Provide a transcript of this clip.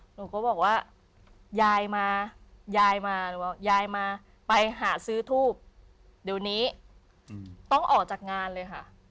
หนูก็บอกว่ายายมายายมายายมาไปหาซื้อทูบเดี๋ยวนี้ต้องออกจากงานเลยค่ะ